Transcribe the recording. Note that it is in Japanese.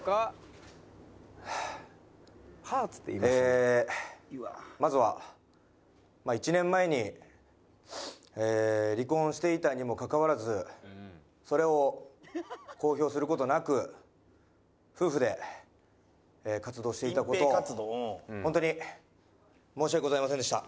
ええまずは１年前に離婚していたにもかかわらずそれを公表する事なく夫婦で活動していた事本当に申し訳ございませんでした。